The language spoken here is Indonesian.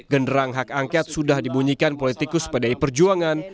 genderang hak angket sudah dibunyikan politikus pdi perjuangan